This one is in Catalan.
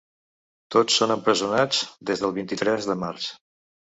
Tots són empresonats des del vint-i-tres de març.